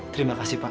terima kasih pak